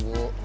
pegang ya bu